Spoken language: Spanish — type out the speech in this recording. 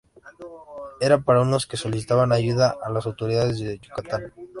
Era para eso que solicitaba ayuda de las autoridades de Yucatán.